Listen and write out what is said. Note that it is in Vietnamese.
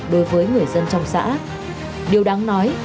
điều đáng nói